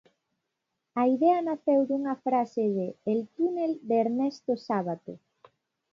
A idea naceu dunha frase de El túnel de Ernesto Sábato.